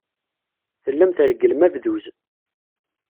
Tellam tregglem abduz.